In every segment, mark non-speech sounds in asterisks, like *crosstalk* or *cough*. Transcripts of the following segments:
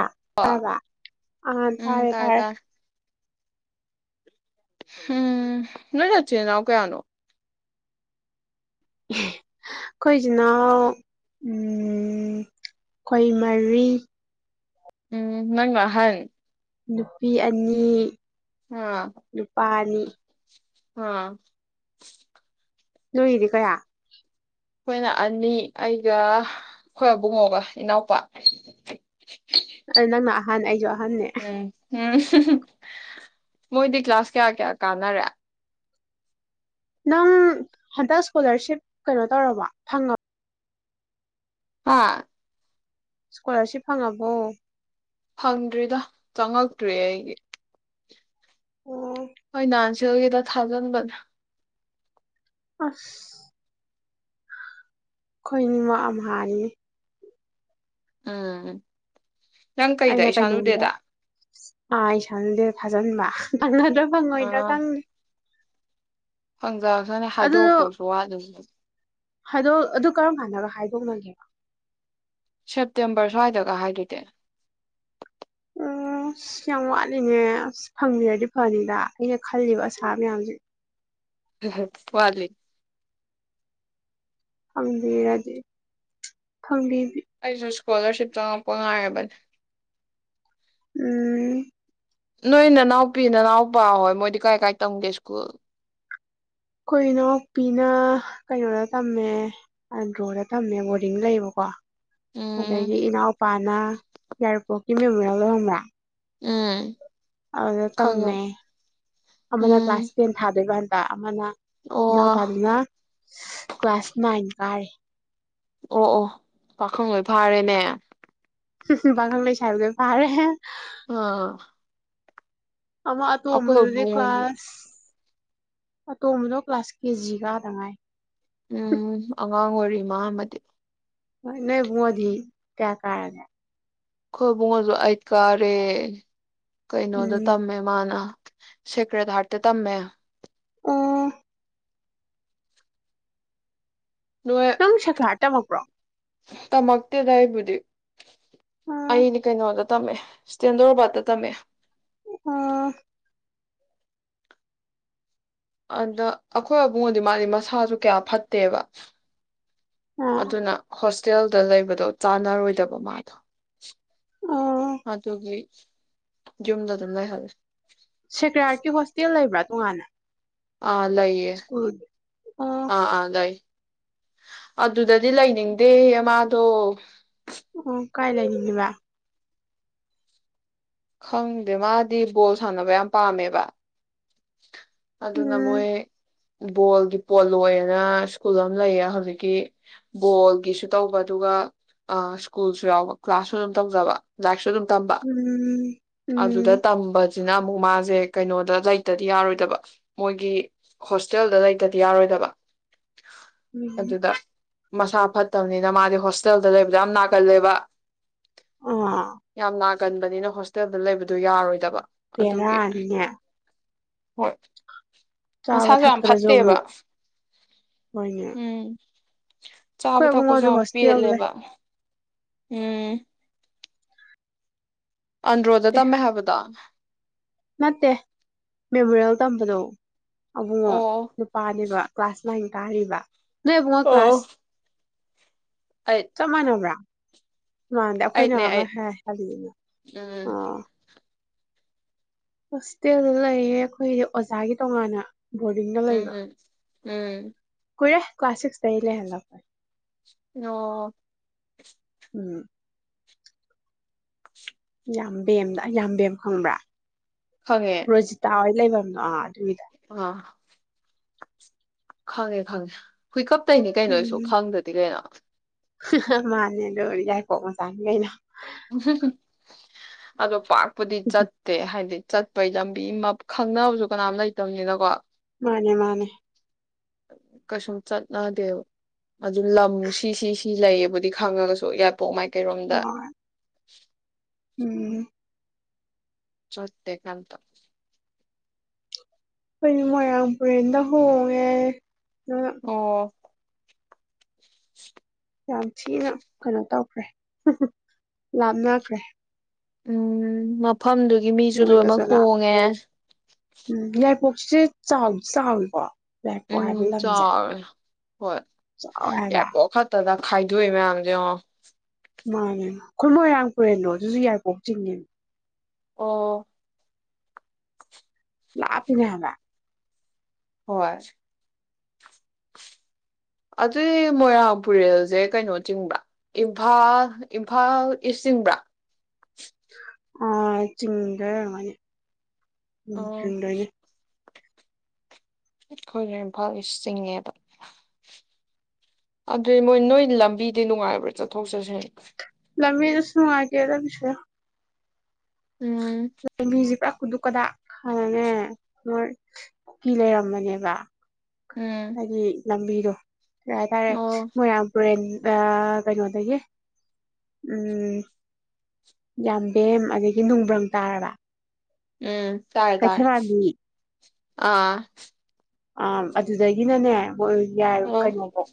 ꯑ ꯑꯣ ꯐꯔꯕ ꯑꯥ ꯎꯝ ꯇꯔꯦ ꯇꯥꯔꯦ ꯇꯔꯦ ꯇꯥꯔꯦ ꯎꯝ ꯅꯣꯏ ꯅꯆꯤꯟ ꯅꯥꯅꯥꯎ ꯀꯌꯥꯅꯣ ꯑꯩꯈꯣꯏ ꯏꯆꯤꯟꯜ ꯏꯅꯥꯎ ꯎꯝ ꯈꯣꯏ ꯃꯔꯤ ꯎꯝ ꯅꯪꯅ ꯑꯥꯍꯜ ꯅꯨꯄꯤ ꯑꯅꯤ ꯑꯥ ꯅꯨꯄꯥ ꯑꯅꯤ *inaudible* ꯑꯥ ꯅꯣꯏꯗꯤ ꯀꯌꯥ ꯑꯩꯈꯣꯏꯅ ꯑꯅꯤ ꯑꯩꯒ ꯑꯩꯈꯣꯏꯕꯨꯡꯉꯣꯒ ꯏꯅꯥꯎꯄꯥ ꯅꯪꯅ ꯍꯥꯟ ꯑꯩꯖꯨ ꯎꯝ ꯎꯝ ꯃꯣꯏꯗꯤ ꯀ꯭ꯂꯥꯁ ꯀꯌꯥ ꯀꯌꯥ ꯀꯥꯟꯅꯔꯦ ꯅꯪ ꯍꯟꯗꯛ ꯏꯁꯀꯣꯂꯥꯔꯁꯤꯞ ꯀꯩꯅꯣ ꯇꯧꯔꯕꯣ ꯐꯪꯉ ꯑ ꯏꯁꯀꯣꯂꯥꯔꯁꯤꯞ ꯐꯪꯉꯕꯣ ꯍꯪꯗ꯭ꯔꯤꯗ ꯆꯪꯉꯛꯇ꯭ꯔꯤꯌꯦ ꯑꯩꯒꯤ ꯑꯣ ꯖꯦꯜꯒꯗ ꯊꯥꯖꯟꯕꯅꯦ ꯑꯁ ꯑꯩꯈꯣꯏꯅꯤꯃꯛ ꯑꯃꯍꯥꯅꯤꯅꯦ ꯎꯝ ꯅꯪ ꯀꯩꯗ ꯑꯩꯅ ꯀꯩꯅꯣꯒꯤꯗ ꯏꯁꯥꯅꯨꯗꯦꯗ ꯑꯥ ꯑꯩ ꯁꯥꯟꯎꯗꯦꯟ ꯊꯖꯟꯕ ꯐꯪꯚꯥꯗ꯭ꯔꯥ ꯐꯪꯉꯣꯏꯗ꯭ꯔꯥ ꯈꯪꯗꯦ *unintelligible* *unintelligible* ꯍꯥꯏꯗꯣꯛꯇꯧꯁꯨ ꯋꯥꯠꯂꯤ ꯍꯥꯏꯗꯣ ꯑꯗꯨ ꯀꯔꯝ ꯀꯥꯟꯗꯒ ꯍꯥꯏꯗꯣꯛꯅꯒꯦ ꯁꯦꯞꯇꯦꯝꯕꯔ ꯁ꯭ꯋꯥꯏꯗꯒ ꯍꯥꯏꯗꯨꯗꯤ ꯑꯣ ꯑꯁ ꯌꯥꯝ ꯋꯥꯠꯂꯤꯉꯦ ꯑꯁ ꯐꯪꯕꯤꯔꯗꯤ ꯐꯅꯤꯗ ꯑꯩꯅ ꯈꯜꯂꯤꯕ ꯑꯁꯥ ꯃꯌꯥꯝꯖꯤ ꯋꯥꯠꯂꯤ ꯐꯪꯕꯤꯔꯗꯤ ꯐꯪꯕꯤ ꯑꯩꯁꯨ ꯏꯁꯀꯣꯂꯥꯔꯁꯤꯞ ꯆꯪꯉꯛꯄ ꯉꯥꯏꯔꯕꯅꯤ ꯎꯝ ꯅꯣꯏ ꯅꯅꯥꯎꯄꯤ ꯅꯅꯥꯎꯄꯥ ꯍꯣꯏ ꯃꯣꯏꯗꯤ ꯀꯥꯏ ꯀꯥꯏ ꯇꯝꯒꯦ ꯁ꯭ꯀꯨꯜ ꯈꯣꯏ ꯅꯥꯎꯄꯤꯅ ꯀꯩꯅꯣꯗ ꯇꯝꯃꯦ ꯑꯟꯗ꯭ꯔꯣꯗ ꯇꯝꯃꯦ ꯕꯣꯔꯗꯤꯡ ꯂꯩꯕꯀꯣ ꯎꯝ ꯑꯗꯒꯤ ꯏꯅꯥꯎꯄꯥꯅ ꯌꯥꯏꯔꯤꯄꯣꯛ ꯏ ꯃꯦꯃꯣꯔꯦꯜ ꯗꯣ ꯈꯪꯕꯔꯥ ꯎꯝ ꯑꯗꯨꯗ ꯈꯪꯉꯦ ꯇꯝꯃꯦ ꯑꯃꯅ ꯎꯝ ꯀ꯭ꯂꯥꯁ ꯇꯦꯟ ꯊꯥꯗꯣꯏꯕ ꯍꯟ ꯇꯥ ꯑꯃꯅ ꯑꯣ ꯏꯅꯥꯎꯄꯥꯗꯨꯅ ꯁꯁ ꯀ꯭ꯂꯥꯁ ꯅꯥꯏꯟ ꯀꯥꯔꯤ ꯑꯣ ꯑꯣ ꯄꯥꯈꯪ ꯂꯣꯏ ꯐꯥꯔꯦꯅꯦ ꯄꯥꯈꯪ ꯂꯩꯁꯥꯕꯤ ꯂꯣꯏ ꯐꯥꯔꯦ ꯑ ꯑꯃ ꯑꯇꯣꯝꯕꯗꯨꯗꯤ ꯏꯕꯨꯡꯉꯣꯁꯨ ꯀ꯭ꯂꯥꯁ ꯑꯇꯣꯝꯕꯗꯣ ꯀ꯭ꯂꯥꯁ ꯀꯦꯖꯤ ꯀꯥꯗ ꯉꯥꯏ ꯎꯝ *unintelligible* ꯉꯥꯡ ꯑꯣꯏꯔꯤ ꯃꯥꯃꯗꯤ ꯍꯣꯏ ꯅꯣꯏ ꯑꯕꯨꯉꯣꯗꯤ ꯀꯌꯥ ꯀꯥꯔꯒꯦ ꯈꯣꯏ ꯑꯕꯨꯉꯣꯖꯨ ꯑꯥꯏꯠ ꯀꯥꯔꯦ ꯀꯩꯅꯣꯗ ꯎꯝ ꯇꯝꯃꯦ ꯃꯥꯅ ꯁꯦꯀꯔ꯭ꯦꯠ ꯍꯥꯔꯠꯇ ꯇꯝꯃꯦ ꯑꯣ ꯅꯣꯏ ꯅꯪ ꯁꯦꯀ꯭ꯔꯥꯠ ꯇꯝꯃꯛꯄ꯭ꯔꯣ ꯇꯃꯛꯇꯦꯗ ꯑꯩꯕꯨꯗꯤ ꯑꯣ ꯑꯩꯅ ꯀꯩꯅꯣꯗꯠ ꯇꯝꯃꯦ ꯁꯇꯦꯟꯗꯔꯔꯣꯕꯥꯠꯇ ꯇꯝꯃꯦ ꯑꯥ ꯑꯗ ꯑꯈꯣꯏ ꯑꯕꯨꯡꯉꯣꯗꯤ ꯃꯥꯗꯤ ꯃꯁꯥꯖꯨ ꯀꯌꯥ ꯐꯠꯇꯦꯕ ꯑꯣ ꯑꯗꯨꯅ ꯍꯣꯁ ꯇꯦꯜꯗ ꯂꯩꯕꯗꯣ ꯆꯥꯟꯅꯔꯣꯏꯗꯕ ꯃꯥꯗꯣ ꯑꯣ ꯑꯗꯨꯒꯤ ꯌꯨꯝꯗ ꯑꯗꯨꯝ ꯂꯩꯍꯧꯔꯦ ꯁꯈꯔꯥꯔꯀꯤ ꯍꯣꯇꯦꯜ ꯂꯩꯕ꯭ꯔ ꯇꯣꯉꯥꯟꯅ ꯑꯥ ꯂꯩꯌꯦ ꯁ꯭ꯀꯨꯜꯒꯤ ꯑꯣ ꯑꯥ ꯑꯥ ꯂꯩ ꯑꯗꯨꯗꯗꯤ ꯂꯩꯅꯤꯡꯗꯦ ꯃꯥꯗꯣ ꯑꯣ ꯀꯥꯏ ꯂꯩꯃꯤꯟꯅꯕ ꯈꯪꯗꯦ ꯃꯥꯗꯤ ꯕꯣꯜ ꯁꯥꯟꯅꯕ ꯌꯥꯝ ꯄꯥꯝꯃꯦꯕ *inaudible* ꯑꯗꯨꯅ ꯃꯣꯏ ꯎꯝ ꯕꯣꯜꯒꯤ ꯄꯣꯜꯂꯣꯏꯌꯦꯅ ꯁ꯭ꯀꯨꯜ ꯑꯃ ꯂꯩꯌꯦ ꯍꯧꯖꯤꯛꯀꯤ ꯕꯣꯜꯒꯤꯁꯨ ꯇꯧꯕ ꯑꯗꯨꯒ ꯑ ꯁ꯭ꯀꯨꯜꯁꯨ ꯌꯥꯎꯕ ꯀ꯭ꯂꯥꯁꯁꯨ ꯑꯗꯨꯝ ꯇꯧꯖꯕ ꯂꯥꯏꯔꯤꯛꯁꯨ ꯑꯗꯨꯝ ꯇꯝꯕ ꯎꯝ ꯑꯗꯨꯗ ꯎꯝ ꯇꯝꯕ ꯁꯤꯅ ꯑꯃꯨꯛ ꯃꯥꯁꯦ ꯀꯩꯅꯣꯗ ꯂꯩ ꯇꯗꯤ ꯌꯥꯔꯣꯏꯗꯕ ꯃꯣꯏꯒꯤ ꯍꯣꯁꯇꯦꯜꯗ ꯂꯩꯇꯗꯤ ꯌꯥꯔꯣꯏꯗꯕ ꯎꯝ ꯑꯗꯨꯗ ꯃꯁꯥ ꯐꯠꯇꯕꯅꯤꯅ ꯃꯥꯗꯤ ꯍꯣꯁꯇꯦꯜꯗ ꯂꯩꯕꯗ ꯌꯥꯝ ꯅꯥꯒꯜꯂꯦꯕ ꯑꯥ ꯌꯥꯝ ꯅꯥꯒꯟꯕꯅꯤꯅ ꯍꯣꯁꯇꯦꯜꯗ ꯂꯩꯕꯗꯨꯣ ꯌꯥꯔꯣꯏꯗꯕ ꯑꯗꯨꯒꯤ ꯕꯦꯔꯥꯅꯤꯅꯦ ꯍꯣꯏ ꯆꯥꯕ ꯃꯁꯥꯁꯨ ꯌꯥꯝ ꯊꯛꯄꯗꯁꯨ ꯐꯠꯇꯦꯕ ꯑꯃꯨꯛ ꯍꯣꯏꯅꯦ ꯎꯝ ꯆꯥꯕ ꯑꯩꯈꯣꯏ ꯊꯛꯄꯁꯨ ꯑꯕꯨꯡꯉꯣꯁꯨ ꯌꯥꯝ ꯍꯣꯁꯇꯦꯜ ꯂꯩ ꯄꯦꯠꯂꯦꯕ ꯎꯝ ꯑꯟꯔꯣꯗꯗꯥ ꯇꯦ ꯇꯝꯃꯦ ꯍꯥꯏꯕꯗꯣ ꯅꯠꯇꯦ ꯃꯦꯃꯣꯔꯤꯌꯦꯜ ꯇꯝꯕꯗꯣ ꯑꯕꯨꯡꯉꯣ ꯑꯣ ꯅꯨꯄꯥꯅꯦꯕ ꯀ꯭ꯂꯥꯁ ꯅꯥꯏꯟ ꯀꯥꯔꯤꯕ ꯅ ꯃꯨꯡꯉ ꯑꯣ ꯀ꯭ꯂꯥꯁ ꯑꯩꯠ ꯆꯃꯅ꯭ꯔꯥ ꯃꯥꯟꯗ ꯑꯩꯠꯅꯦ ꯑꯩꯈꯣꯏꯅ ꯑꯃ ꯑꯩꯠ ꯍꯥꯏ ꯍꯥꯏꯕꯤꯅ ꯎꯝ ꯑꯣ ꯍꯣꯁꯇꯦꯜꯗ ꯂꯩꯌꯦ ꯑꯩꯈꯣꯏ ꯑꯣꯖꯥꯒꯤ ꯇꯣꯉꯥꯟꯅ ꯕꯣꯔꯗꯤꯡꯗ ꯂꯩꯕ ꯎꯝ ꯎꯝ ꯀꯨꯏꯔꯦ ꯀ꯭ꯂꯥꯁ ꯁꯤꯛ꯭ꯁꯇꯩ ꯂꯩꯦꯍꯟꯂꯛꯄꯅꯦ ꯑꯣ ꯎꯝ ꯌꯥꯝꯕꯦꯝꯗ ꯌꯥꯝꯕꯦꯝ ꯈꯪꯕ꯭ꯔꯥ ꯔꯣꯖꯤ ꯇ ꯑꯣꯏ ꯂꯩꯐꯝ ꯑꯥ ꯑꯗꯨꯒꯤ ꯑ ꯈꯪꯉꯦ ꯈꯪꯉꯦ ꯍꯨꯏꯀꯞ ꯇꯩꯅꯤ ꯀꯩꯅꯣ ꯑꯩꯁꯨ ꯈꯪꯗ꯭ꯔꯗꯤ ꯀꯩꯅꯣ ꯍꯍ ꯃꯥꯅꯦ ꯗꯣ ꯌꯥꯏꯔꯤꯄꯣꯛ ꯃꯆꯥꯡꯅꯤ ꯀꯩꯅꯣ ꯑꯗꯣ ꯄꯥ ꯗꯤ ꯆꯠꯇꯦ ꯍꯥꯏꯗꯤ ꯆꯠꯄꯩ ꯂꯝꯕꯤ ꯈꯪꯅꯕꯁꯨ ꯀꯅꯥꯝ ꯂꯩꯇꯕꯅꯤꯅꯀꯣ ꯃꯥꯅꯦ ꯃꯥꯅꯦ ꯀꯩꯁꯨꯝ ꯆꯠꯅꯗꯦꯕ ꯑꯗꯨ ꯂꯝ ꯁꯤ ꯁꯤ ꯁꯤ ꯂꯩꯌꯦꯕꯨꯗꯤ ꯈꯪꯉꯒꯁꯨ ꯄꯣꯛ ꯃꯥꯏꯀꯩꯔꯣꯝꯗ ꯍꯣꯏ ꯎꯝ ꯆꯠꯇꯦ ꯀꯩꯝꯇ ꯈꯣꯏ ꯃꯣꯏꯔꯥꯡꯄꯨꯔꯦꯟꯗ ꯍꯣꯡꯉꯦ ꯑꯣ ꯌꯥꯝ ꯊꯤꯅ ꯀꯩꯅꯣ ꯇꯧꯈ꯭ꯔꯦ ꯂꯥꯞꯅꯈ꯭ꯔꯦ ꯎꯝ ꯃꯥ ꯐꯝꯗꯨꯒꯤ ꯃꯤꯁꯨ ꯂꯣꯏꯅꯃꯛ ꯅꯣꯏꯒꯁꯨ ꯂꯥꯞ ꯍꯣꯡꯉꯦ ꯎꯝ ꯌꯥꯏꯔꯤꯄꯣꯛꯁꯦ ꯆꯥꯎ ꯆꯥꯎꯏꯤꯀꯣ ꯎꯝ ꯆꯥꯢ ꯍꯣꯏ ꯆꯥꯎꯔꯦ ꯍꯥꯏꯕ ꯌꯥꯏꯄꯣꯛ ꯈꯛꯇꯗ ꯈꯥꯏꯗ꯭ꯋꯤ ꯃꯌꯥꯝꯖꯤ ꯌꯦꯡꯉꯣ ꯃꯥꯅꯦ ꯑꯩꯈꯣꯏ ꯃꯣꯏꯔꯥꯡ ꯄꯨꯨꯔꯦꯟꯅꯣ ꯑꯗꯨꯁꯨ ꯌꯥꯢꯔꯤꯄꯣꯛ ꯆꯤꯡꯅ ꯑꯣ ꯂꯥꯛꯄꯤꯅꯦ ꯍꯥꯏꯕ ꯍꯣꯢ ꯑꯗꯨꯏ ꯃꯣꯏꯔꯥꯡꯄꯨꯔꯦꯜꯁꯦ ꯀꯩꯅꯣ ꯆꯤꯡꯕ꯭ꯔ ꯏꯝꯐꯥꯜ ꯏꯝꯐꯥꯜ ꯏꯁ ꯆꯤꯡꯕ꯭ꯔꯥ ꯑ ꯆꯤꯡꯗꯣꯢ ꯑꯣꯢꯔꯝꯒꯅꯤ ꯎꯝ ꯆꯤꯡꯗꯣꯢꯅꯤ ꯑꯩꯈꯣꯏ ꯏꯝꯐꯥꯜ ꯏꯁ ꯆꯤꯡꯉꯦꯕ ꯑꯗꯨꯏ ꯃꯣꯏ ꯅꯣꯏ ꯂꯝꯕꯤꯗꯤ ꯅꯨꯡꯉꯥꯏꯕ꯭ꯔꯥ ꯆꯠꯊꯣꯛ ꯆꯠꯁꯤ ꯂꯝꯃꯤꯗꯨꯁꯨ ꯅꯨꯡꯉꯥꯏꯇꯦꯗ ꯁ ꯎꯝ ꯂꯝꯕꯤꯖꯤ ꯄ꯭ꯔꯥ ꯀꯨꯗꯨꯛꯀꯗꯥꯛ ꯍꯥꯅꯅꯦ ꯃꯣꯏ ꯀꯨꯀꯤ ꯂꯩꯔꯝꯕꯅꯦꯕ ꯎꯝ ꯍꯥꯏꯗꯤ ꯂꯝꯕꯤꯗꯣ ꯇꯇꯥꯔꯦ ꯑꯣ ꯃꯣꯏꯔꯝꯄꯨꯔꯦꯟ ꯀꯩꯅꯣꯗꯒꯤ ꯎꯝ ꯌꯥꯝꯕꯦꯝ ꯑꯗꯒꯤ ꯅꯨꯡꯕ꯭ꯔꯪ ꯇꯥꯔꯕ ꯎꯝ ꯇꯥꯔꯦ ꯇꯥꯔꯦ ꯀꯩꯆꯅꯥꯔꯃꯤ ꯑꯥ ꯑꯝ ꯑꯗꯨꯗꯒꯤ ꯅꯅꯦ ꯀꯣꯏꯔꯨꯖ ꯌꯥꯔ ꯑꯣ ꯀꯩꯅꯣꯕꯣꯛ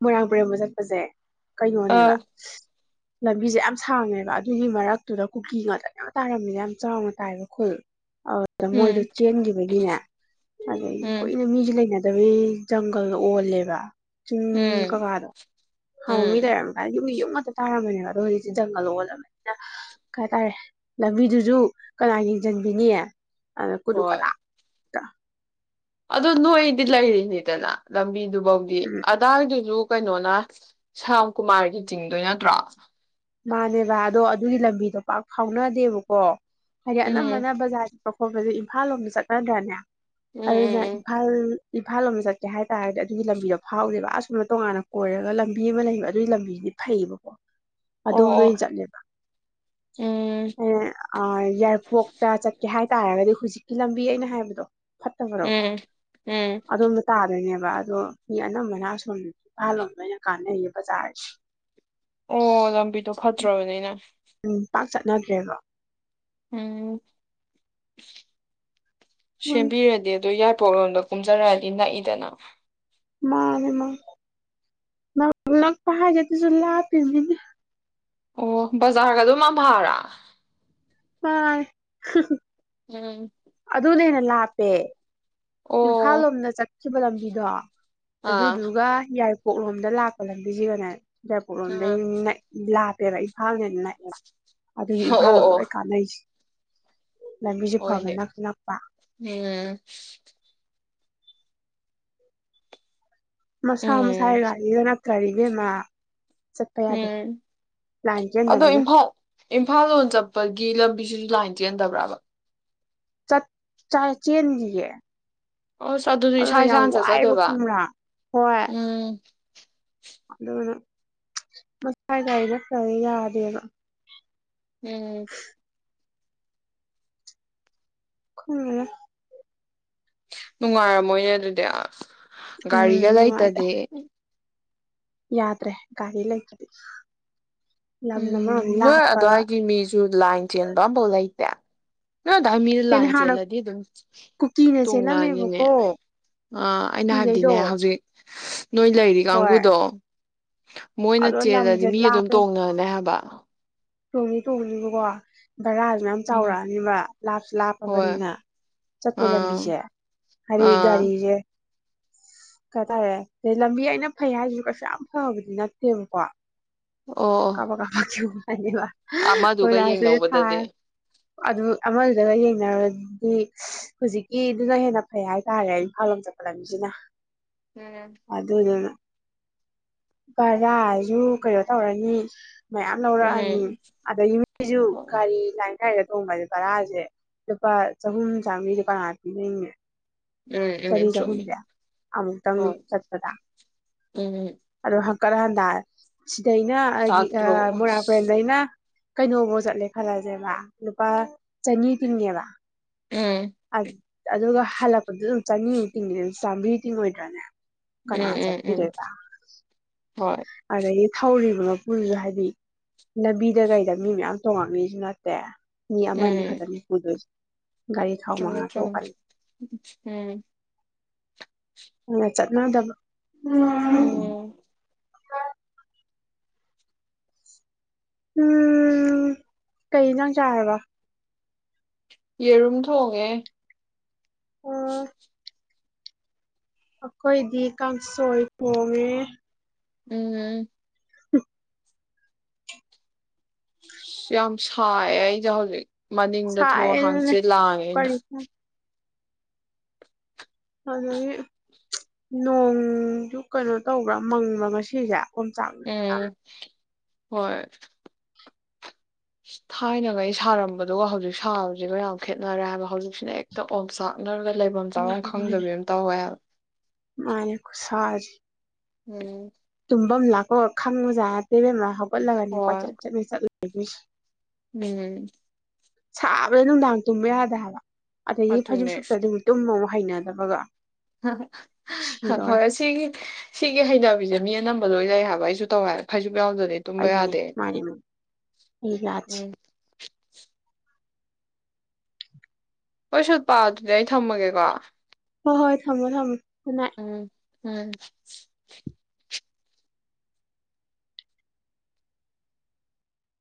ꯃꯣꯏꯔꯥꯡ ꯕꯔꯦꯃꯥ ꯆꯠꯄꯖꯦ ꯀꯩꯅꯣꯅꯦꯕ ꯑ ꯂꯝꯕꯤꯖꯦ ꯌꯥꯝ ꯁꯥꯡꯉꯦꯕ ꯑꯗꯨꯒꯤ ꯃꯔꯛꯇꯨꯗ ꯀꯨꯀꯤ ꯉꯥꯛꯇ ꯌꯥꯝ ꯇꯥꯔꯝꯃꯤꯅ ꯌꯥꯝ ꯆꯥꯎꯅ ꯇꯥꯏꯕ ꯈꯨꯜ ꯑꯧꯗ ꯃꯣꯏꯗꯣ ꯎꯝ ꯆꯦꯟꯒꯤꯕꯒꯤꯅꯦ ꯑꯗꯒꯤ ꯎꯝ ꯀꯨꯏꯅ ꯃꯤꯖꯨ ꯂꯩꯅꯗ ꯗꯋꯦ ꯖꯪꯒꯜ ꯑꯣꯜꯂꯦꯕ ꯎꯝ ꯀꯀꯥꯗꯥ ꯍꯥꯅ ꯃꯤ ꯎꯝ ꯂꯩꯔꯝ ꯗꯥꯏ ꯌꯨꯝꯒꯤ ꯌꯨꯝ ꯑꯃꯠꯇ ꯇꯥꯔꯝꯃꯅꯦꯕ ꯑꯗꯣ ꯍꯧꯖꯤꯛꯇꯤ ꯖꯪꯒꯜ ꯑꯣꯜꯂꯕꯅꯤꯅ ꯀꯩꯍꯇꯥꯔꯦ ꯂꯝꯕꯤꯗꯨꯖꯨ ꯀꯅꯥꯟ ꯌꯦꯡꯖꯤꯟꯕꯤꯅꯤ ꯑꯅ ꯀꯨꯗꯨ ꯍꯣꯏ ꯀꯗꯥꯛ ꯇꯥ ꯑꯗꯣ ꯅꯣꯏꯗꯤ ꯂꯩꯔꯤꯅꯤꯗꯅ ꯂꯝꯕꯤꯗꯨ ꯕꯧꯗꯤ ꯎꯝ ꯑꯗꯥꯔ ꯗꯖꯨ ꯀꯩꯅꯣꯅ ꯁꯥꯝꯀꯨꯃꯥꯔꯒꯤ ꯆꯤꯡꯗꯣꯏ ꯅꯠꯇ꯭ꯔꯣ ꯃꯥꯅꯦꯕ ꯑꯗꯣ ꯑꯗꯨꯒꯤ ꯂꯝꯕꯤꯗꯣ ꯄꯥꯛ ꯐꯥꯎꯅꯗꯦꯕꯀꯣ ꯍꯔꯤ ꯎꯝ ꯑꯅꯝꯕꯅ ꯕꯖꯥꯔ ꯑꯣꯀꯣꯕꯦꯂꯤ ꯏꯝꯐꯥꯜ ꯂꯣꯝꯗ ꯆꯠꯅꯗ꯭ꯔꯅꯦ ꯎꯝ ꯎꯝ ꯑꯗꯨꯅ ꯎꯝ ꯏꯐꯜ ꯏꯐꯥꯜ ꯂꯣꯝꯗ ꯆꯠꯀꯦ ꯍꯥꯏ ꯇꯥꯔꯗꯤ ꯑꯗꯨꯒꯤ ꯂꯝꯕꯤꯗꯣ ꯐꯥꯎꯔꯦꯕ ꯑꯁꯨꯝꯅ ꯇꯣꯉꯥꯟꯅ ꯀꯣꯏꯔꯒ ꯂꯝꯕꯤ ꯑꯃ ꯂꯩꯕ ꯑꯗꯨꯒꯤ ꯂꯝꯕꯤꯖꯤꯗꯤ ꯐꯩꯌꯦꯕꯀꯣ ꯑꯣ ꯑꯗꯣꯝ ꯑꯣ ꯂꯣꯏꯟ ꯆꯠꯂꯦꯕ ꯎꯝ ꯑꯦ ꯑꯥꯏ ꯌꯥꯔꯤꯄꯣꯔꯇ ꯆꯠꯀꯦ ꯍꯥꯏꯇꯥꯔꯒꯗꯤ ꯍꯨ ꯍꯨꯖꯤꯛꯀꯤ ꯂꯝꯕꯤ ꯑꯩꯅ ꯍꯥꯏꯕꯗꯣ ꯐꯠꯇꯕꯔꯣ ꯎꯝ ꯎꯝ ꯑꯗꯣꯝꯗ ꯇꯥꯗꯣꯏꯅꯦꯕ ꯕ ꯑꯗꯣ ꯃꯤ ꯑꯅꯝꯕꯅ ꯑꯁꯣꯝ ꯏꯝꯐꯥꯜ ꯂꯣꯝꯗ ꯑꯣꯏꯅ ꯀꯥꯟꯅꯩꯌꯦ ꯕꯖꯥꯔꯁꯤ ꯑꯣ ꯂꯝꯕꯤꯗꯣ ꯐꯠꯇ꯭ꯔꯕꯅꯤꯅ ꯎꯝ ꯄꯥꯛ ꯆꯠꯅꯗ꯭ꯔꯦꯕ ꯎꯝ ꯍꯣꯏ ꯁꯦꯝꯕꯤꯔꯗꯤ ꯑꯗꯣ ꯌꯥꯠ ꯄꯣꯔꯣꯟꯗꯣ ꯀꯨꯝꯖꯔꯗꯤ ꯅ ꯅꯛꯏꯗꯅ ꯃꯥꯅꯦ ꯃꯥ ꯃꯥ ꯅꯛꯄ ꯍꯥꯏꯖꯦ ꯗꯨꯁꯨ ꯂꯥꯞꯄꯤꯝꯅꯤꯅꯦ ꯑꯣ ꯕꯖꯥꯔꯒꯗꯨ ꯃꯝꯍꯥꯔꯥ ꯎꯝ ꯍ ꯍ ꯎꯝ ꯗꯨꯅꯥ ꯍꯦꯅ ꯂꯥꯞꯄꯦ ꯏꯝꯐꯥꯜ ꯑꯣ ꯂꯣꯝꯗ ꯆꯠ ꯁꯤꯕ ꯂꯝꯕꯤꯗꯣ ꯑꯥ ꯑꯗꯨꯗꯨꯒ ꯌꯥꯏ ꯀꯣꯛꯂꯣꯝꯗ ꯂꯥꯛꯄ ꯂꯝꯕꯤꯁꯤꯒꯅꯦ ꯄꯣꯗ ꯑꯥ ꯂꯥ ꯄꯦꯔꯏꯐꯥꯜꯅꯦꯅ ꯑꯗꯨꯒꯤ ꯏꯝꯐꯥꯜ ꯂꯣꯝꯗ ꯂꯣꯏ ꯀꯥꯟꯅꯩꯁꯦ ꯑꯣꯏꯅꯦ ꯅꯛꯄ ꯎꯝ ꯃꯁꯥ ꯎꯝ ꯃꯁꯥꯑꯒꯒꯥꯔꯤꯅ ꯀꯔꯤꯔꯤꯕ ꯃꯥ ꯎꯝ ꯑꯗꯣ ꯆꯦꯟꯗꯕꯅꯤꯅ ꯏꯝꯐꯥꯜ ꯏꯝꯐꯥꯜ ꯂꯣꯟ ꯆꯠꯄꯒꯤ ꯂꯝ ꯃꯤꯖꯤꯁꯨ ꯂꯥꯏꯟ ꯆꯦꯟꯍꯦꯟꯗꯕ꯭ꯔꯕ ꯆ ꯆꯥꯆꯦꯟ ꯂ ꯑꯣꯁ ꯑꯗꯨꯗꯤ ꯏꯁꯥ ꯏꯁꯥꯅ ꯆꯠꯆꯗꯕ ꯈꯪꯕ꯭ꯔꯥ ꯍꯣꯏ ꯎꯝ ꯑꯗꯨꯅ ꯃꯁꯥꯏꯗ ꯑꯩꯅ ꯈ꯭ꯔ ꯌꯥꯗꯦꯕ ꯎꯝ ꯈ ꯅꯨꯡꯉꯥꯏꯔꯝꯃꯣꯏꯅꯦ ꯑꯗꯨꯗꯤ ꯑꯁ ꯎꯝ ꯒꯥꯔꯤꯒ ꯂ ꯅꯨꯡꯉꯥꯏꯇꯦ ꯑꯥꯏꯇꯗꯤ ꯌꯥꯗ꯭ꯔꯦ ꯒꯥꯔꯤ ꯂꯩꯇꯗꯤ ꯎꯝ ꯅꯣꯏ ꯑꯗꯨꯋꯥꯏꯒꯤ ꯃꯤꯁꯨ ꯂꯥꯏꯟ ꯆꯦꯟꯕ ꯑꯃꯐꯥꯎ ꯂꯩꯦ ꯇ ꯅꯗ ꯃꯤꯗ ꯂꯥꯏꯟ ꯍꯥꯟꯅ ꯆꯦꯜꯂꯗꯤ ꯑꯗꯨꯝ ꯀꯨꯀꯤꯅ ꯇꯣꯡꯅꯅꯤꯅꯦ ꯆꯦꯜꯂꯝꯃꯦꯕꯀꯣ ꯑꯩꯅ ꯀꯨꯀꯤꯈꯩꯗꯣ ꯍꯥꯏꯕꯗꯤꯅꯦ ꯍꯧꯖꯤꯛ ꯅꯣꯏ ꯂꯩꯔꯤ ꯍꯣꯏ ꯀꯥꯡꯕꯨꯨꯗꯣ ꯃꯣꯏꯅ ꯑꯗꯣ ꯆꯦꯜꯂꯗꯤ ꯂꯝꯁꯦ ꯃꯤ ꯑꯗꯨꯝ ꯂꯥꯞꯄꯦ ꯇꯣꯡꯅꯅꯤ ꯌꯥꯕ ꯇꯣꯡꯅꯤ ꯇꯣꯡꯧꯕꯅꯤꯕꯀꯣ ꯚꯔꯥꯁꯨ ꯃ ꯌꯥꯝ ꯎꯝ ꯆꯥꯎꯔꯛꯑꯅꯤꯕ ꯂꯥꯞꯁꯨ ꯍꯣꯏ ꯂꯥꯞꯄꯕꯅꯤꯅ ꯆꯠꯄꯩ ꯑꯥ ꯂꯝꯕꯤꯁꯦ ꯍꯥꯏꯗꯤ ꯑꯥ ꯒꯥꯔꯤꯁꯦ ꯀꯇꯥꯔꯦ ꯑꯩ ꯂꯝꯕꯤ ꯑꯩꯅ ꯐꯩ ꯍꯥꯏꯗꯨꯁꯨ ꯀꯩꯁꯨ ꯌꯥꯝ ꯐꯕꯗꯤ ꯅꯠꯇꯦꯕꯀꯣ ꯀꯕ ꯀ ꯍꯥꯏ ꯋꯥ ꯑꯥ ꯃꯥꯗꯨꯒ ꯌꯦꯡꯅꯧꯕꯗꯗꯤ ꯑꯗꯨ ꯑꯃꯗꯨꯗꯒ ꯌꯦꯡꯅꯔꯗꯤ ꯍꯧꯖꯤꯛꯀꯤꯗꯨꯅ ꯍꯦꯟꯅ ꯐꯩ ꯍꯥꯏꯇꯥꯔꯦ ꯏꯝꯐꯥꯜ ꯂꯣꯝ ꯆꯠꯄ ꯂꯝꯁꯤꯅ ꯎꯝ ꯑꯗ ꯑꯗꯨꯅ ꯚꯖꯥꯖꯨ ꯀꯩꯅꯣ ꯇꯧꯔꯅꯤ ꯃꯌꯥꯝ ꯂꯧꯔꯛꯑꯅꯤ ꯎꯝ ꯑꯗꯒꯤ ꯃꯤꯁꯨ ꯍꯣꯏ ꯒꯥꯔꯤ ꯂꯥꯏ ꯀꯥꯏꯗ ꯇꯧꯅꯒꯦ ꯕꯥꯔꯖꯦ ꯂꯨꯄꯥ ꯆꯍꯨꯝ ꯆꯥꯝꯃꯔꯤꯖꯦ ꯀꯅꯥ ꯄꯤꯅꯤꯡꯅꯦ ꯎꯝ ꯆꯅꯤ ꯎꯝ ꯆꯨꯝꯃꯤ ꯆꯍꯨꯝꯖꯦ ꯑꯃꯨꯛꯇꯪ ꯍꯣꯏ ꯆꯠꯄꯗ ꯎꯝ ꯀꯠꯍꯟꯗꯥꯔ ꯗꯩꯅ ꯑꯒꯤ ꯑ ꯇꯥꯛꯇ꯭ꯔꯣ ꯑꯁ ꯃꯣꯔꯥꯡꯄꯨꯂꯦꯟꯗꯩꯅ ꯀꯩꯅꯣꯕꯣ ꯆꯠꯂꯦ ꯈꯜꯂꯖꯦꯕ ꯂꯨꯄꯥ ꯆꯅꯤ ꯇꯤꯡꯉꯦꯕ ꯎꯝ ꯑꯗꯨꯒ ꯍꯜꯂꯛꯄꯗꯨꯝ ꯆꯅꯤꯃꯨꯛ ꯇꯤꯡꯉꯤꯅꯦ ꯆꯥꯝꯃ꯭ꯔꯤ ꯇꯤꯡꯉꯣꯏꯗ꯭ꯔꯅꯦ ꯎꯝ ꯀꯅꯥ ꯎꯝ ꯎꯝ ꯆꯠꯄꯤꯗꯣꯏꯕ ꯍꯣꯏ ꯑꯗꯒꯤ ꯊꯧꯔꯤꯕ ꯃꯄꯨꯗꯨꯁꯨ ꯍꯥꯏꯗꯤ ꯂꯝꯕꯤꯗ ꯀꯩꯗ ꯃꯤ ꯃꯌꯥꯝ ꯇꯣꯡꯉꯝꯃꯤꯁꯨ ꯅꯠꯇꯦ ꯃꯤ ꯑꯝꯅꯤ ꯎꯝ ꯈꯇꯅꯦ ꯄꯨꯗꯣꯏ ꯆꯨꯝꯃꯦ ꯆꯨꯝ ꯎꯝ ꯑ ꯆꯠꯅꯗꯕ ꯎꯝ ꯎꯝ ꯀꯩ ꯏꯟꯖꯥꯡ ꯆꯥꯔꯕ ꯌꯦꯔꯨꯝ ꯊꯣꯡꯉꯦ ꯑꯈꯣꯏꯗꯤ ꯀꯥꯡꯁꯣꯏ ꯊꯣꯉꯦ ꯎꯝ ꯎꯝ ꯌꯥꯝ ꯁꯥꯏ ꯑꯩꯖꯦ ꯍꯧꯖꯤꯛ ꯃꯅꯤꯡꯗ ꯊꯣ ꯁꯥꯏꯌꯦꯅꯅꯦ ꯍꯥꯡꯆꯤꯠ ꯂꯥꯡꯉꯦꯅ ꯀꯔꯤ ꯑꯗꯒꯤ ꯅꯣꯡꯁꯨ ꯀꯩꯅꯣ ꯇꯧꯕ꯭ꯔꯥ ꯃꯪꯕ ꯉꯁꯤꯖꯦ ꯑꯣꯝꯆꯥꯛꯅꯩ ꯌꯝ ꯎꯝ ꯍꯣꯏ ꯊꯥꯏꯅꯉꯩ ꯁꯥꯔꯝꯕꯗꯨꯒ ꯍꯧꯖꯤꯛ ꯁꯥꯕꯖꯤꯒ ꯌꯥꯝ ꯈꯦꯠꯅꯔꯦ ꯍꯥꯏꯕ ꯍꯧꯖꯤꯛꯁꯤꯅ ꯍꯦꯛꯇ ꯑꯣꯟꯆꯥꯛꯅꯔꯒ ꯂꯩꯕꯝ ꯆꯥꯕꯝ ꯃꯥꯅꯤ ꯃꯥꯅꯤ ꯈꯪꯗꯕꯤ ꯑꯝ ꯇꯧꯌꯦ ꯍꯕ ꯃꯥꯅꯦ ꯀꯨꯁꯥ ꯎꯝ ꯇꯨꯝꯕꯝ ꯂꯥꯛꯄꯝꯒ ꯈꯪꯕ ꯖꯥꯠ ꯅꯠꯇꯦ ꯢꯕꯦꯝꯃꯥ ꯍꯧꯒꯠꯂꯒꯅꯦꯀꯣ *unintelligible* ꯍꯣꯏ ꯆꯠꯂꯦ *unintelligible* ꯎꯝ꯫ ꯁꯥꯕꯗ ꯅꯨꯡꯗꯥꯡ ꯇꯨꯝꯕ ꯌꯥꯗꯦ ꯍꯥꯏꯕ꯫ ꯑꯗꯩꯒꯤ ꯐꯩꯖꯨꯞ ꯑꯗꯨꯅꯦ ꯁꯨꯞꯇ ꯑꯗꯨꯝ ꯇꯨꯝꯔ ꯍꯩꯅꯗꯕꯒ꯫ ꯁꯤꯗꯧꯔꯦ ꯍꯣꯏ ꯁꯤꯒꯤ ꯁꯤꯒꯤ ꯍꯩꯅꯕꯤꯁꯦ꯫ ꯃꯤ ꯑꯅꯝꯕ ꯂꯣꯏ ꯂꯩ ꯍꯥꯏꯕ ꯑꯩꯁꯨ ꯇꯧ ꯍꯥꯏꯕ ꯐꯩꯖꯨꯞ ꯌꯥꯥꯎꯗꯗꯤ ꯇꯨꯝꯕ ꯑꯩꯅꯦ ꯌꯥꯗꯦ ꯃꯥꯅꯦ ꯃꯥꯅꯦ ꯑꯩ ꯌꯥꯗꯦ *unintelligible* ꯍꯣꯏ ꯁꯤꯜꯄꯥ ꯑꯗꯨꯗꯤ ꯑꯩ ꯊꯝꯃꯒꯦꯀꯣ꯫ ꯍꯣꯏ ꯍꯣꯏ ꯊꯝꯃꯣ ꯊꯝꯃꯣ꯫ Good night. ꯎꯝ ꯎꯝ